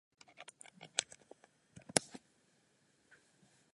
Nedávno se město mělo stát známé i mimo Island jako centrum pro alternativní hudbu.